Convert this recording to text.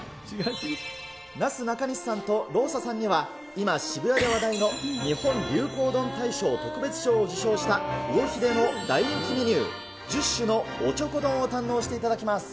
なすなかにしさんとローサさんには、今、渋谷で話題の日本流行丼大賞特別賞を受賞した魚秀の大人気メニュー、１０種のおちょこ丼を堪能していただきます。